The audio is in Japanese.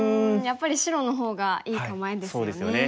やっぱり白の方がいい構えですよね。